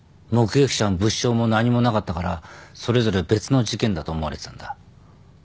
目撃者も物証も何もなかったからそれぞれ別の事件だと思われてたんだ。